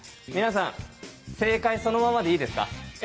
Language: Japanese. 皆さん正解そのままでいいですか？